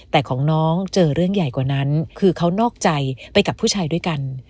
แต่ของน้องเจอเรื่องใหญ่กว่านั้นคือเขานอกใจไปกับผู้ชายด้วยกัน